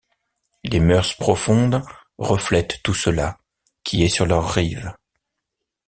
Les mœurs profondes reflètent tout cela, qui est sur leur rive.